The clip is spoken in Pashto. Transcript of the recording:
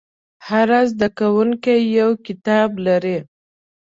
هر زده کوونکی یو کتاب لري.